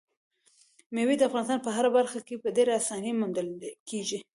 مېوې د افغانستان په هره برخه کې په ډېرې اسانۍ موندل کېږي.